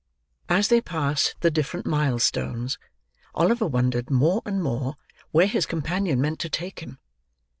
As they passed the different mile stones, Oliver wondered, more and more, where his companion meant to take him.